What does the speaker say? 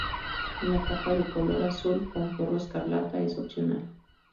Una capa de color azul con forro escarlata es opcional.